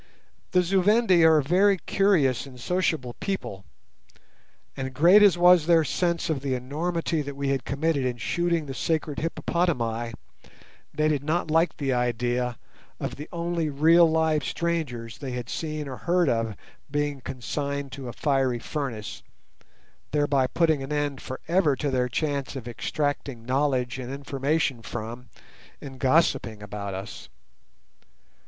The Zu Vendi are a very curious and sociable people, and great as was their sense of the enormity that we had committed in shooting the sacred hippopotami, they did not like the idea of the only real live strangers they had seen or heard of being consigned to a fiery furnace, thereby putting an end for ever to their chance of extracting knowledge and information from, and gossiping about us.